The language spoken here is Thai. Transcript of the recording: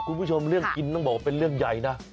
คุณผู้ชมเรื่องกินต้องบอกว่าเป็นเรื่องใหญ่นะ